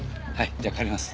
じゃあ帰ります。